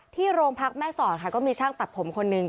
ที่โรงพักแม่สอดค่ะก็มีช่างตัดผมคนหนึ่ง